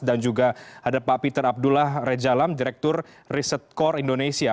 dan juga ada pak peter abdullah rejalam direktur risetkor indonesia